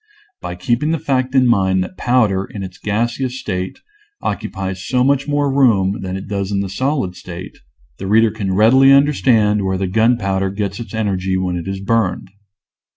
By keeping the fact in mind that powder, in its gaseous state, occupies so much more room than it does in the solid state, the reader can readily under stand where the gunpowder gets its energy when it is burned.